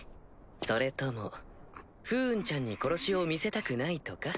それとも不運ちゃんに殺しを見せたくないとか？